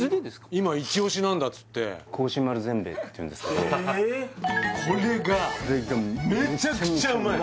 今一押しなんだっつって香辛丸ぜんべいっていうんですけどこれがめちゃくちゃうまいの！